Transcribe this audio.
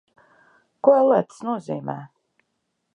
Ko, ellē, tas nozīmē?